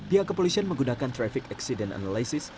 pihak kepolisian menggunakan traffic accident analysis